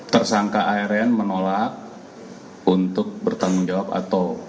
tersangka arn menolak untuk bertanggung jawab atau